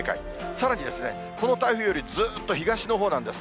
さらに、この台風よりずっと東のほうなんです。